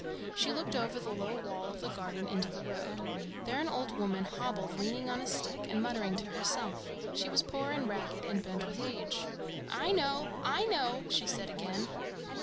She looked over the low wall of the garden into the road. There an old woman hobbled, leaning on a stick, and muttering to herself. She was poor and ragged, and bent with age. "I know, I know!" she said again.